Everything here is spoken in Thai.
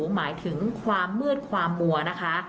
หมายถึงความมืดความมัวนะคะ